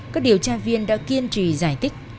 các điều tra viên đã kiên trì giải thích